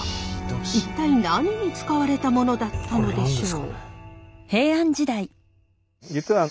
一体何に使われたものだったのでしょう？